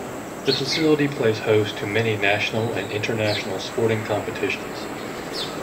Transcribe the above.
The facility plays host to many national and international sporting competitions.